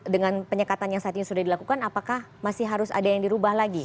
dengan penyekatan yang saat ini sudah dilakukan apakah masih harus ada yang dirubah lagi